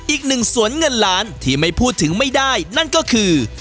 อีกหนึ่งสวนเงินล้านที่ไม่พูดถึงไม่ได้นั่นก็คือ